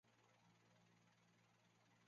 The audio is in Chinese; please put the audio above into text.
踪迹十分隐蔽。